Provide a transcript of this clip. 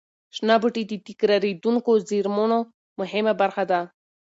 شنه بوټي د تکرارېدونکو زېرمونو مهمه برخه ده.